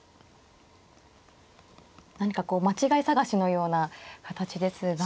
何かこう間違い探しのような形ですが。